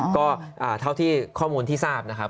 ก็เท่าที่ข้อมูลที่ทราบนะครับ